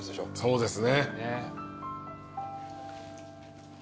そうですね。